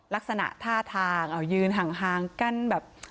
ลักษณะท่าทางเอายืนห่างกันแบบ